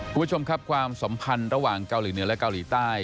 คุณผู้ชมครับความสัมพันธ์ระหว่างเกาหลีเหนือและเกาหลีใต้